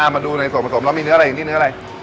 มาดูในส่วนผสมเรามีเนื้ออะไรอย่างนี้เนื้ออะไร